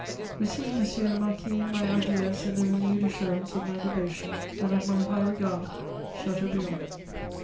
"Receive, monsieur le marquis, my adieus and the renewed assurance of my devotion and of my high regard. "CHATEAUBRIAND."